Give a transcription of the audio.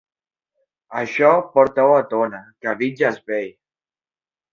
Això, porta-ho a Tona, que a Vic ja és vell!